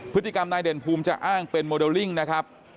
พฤติกรรมนายเด่นภูมิจะอ้างเป็นโมเดลลิ่งนะครับ